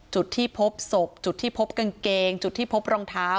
จุดที่พบศพจุดที่พบกางเกงจุดที่พบรองเท้า